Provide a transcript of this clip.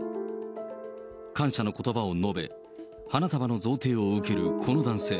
感謝のことばを述べ、花束の贈呈を受けるこの男性。